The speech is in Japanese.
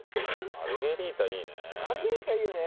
マルゲリータいいよね。